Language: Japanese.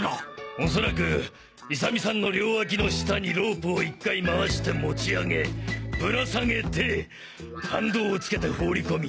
おそらく勇美さんの両脇の下にロープを１回まわして持ち上げぶら下げて反動をつけて放り込み